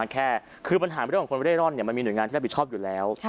แค่คือปัญหาเรื่องของคนเร่ร่อนมันมีหน่วยงานที่รับผิดชอบอยู่แล้ว